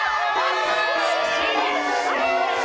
惜しい！